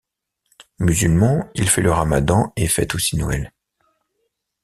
Musulman, il fait le ramadan et fête aussi Noël.